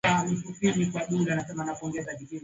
kuna bahari kama vile bahari ya hindi